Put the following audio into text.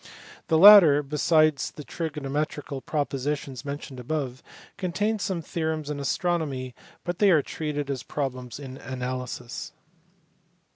The latter, besides the trigonometrical propositions mentioned above, contains some theorems in astronomy but they are treated as problems in analysis.